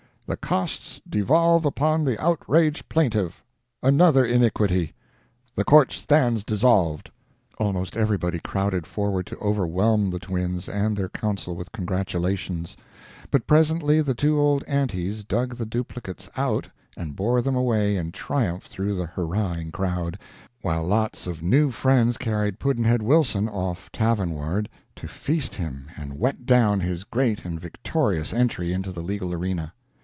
The costs devolve upon the outraged plaintiff another iniquity. The court stands dissolved." Almost everybody crowded forward to overwhelm the twins and their counsel with congratulations; but presently the two old aunties dug the duplicates out and bore them away in triumph through the hurrahing crowd, while lots of new friends carried Pudd'nhead Wilson off tavern ward to feast him and "wet down" his great and victorious entry into the legal arena.